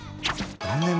何年前？